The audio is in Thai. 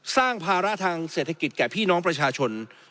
สร้างภาระทางเศรษฐกิจแก่พี่น้องประชาชน